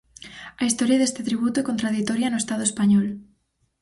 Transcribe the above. A historia deste tributo é contraditoria no Estado español.